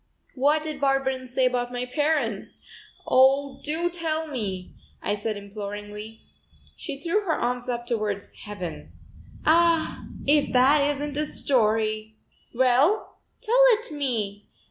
"What did Barberin say about my parents? Oh, do tell me," I said imploringly. She threw her arms up towards heaven. "Ah, if that isn't a story!" "Well, tell it me.